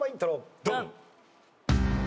ドン！